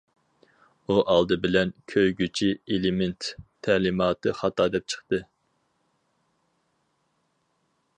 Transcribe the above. ئۇ ئالدى بىلەن «كۆيگۈچى ئېلېمېنت» تەلىماتى خاتا دەپ چىقتى.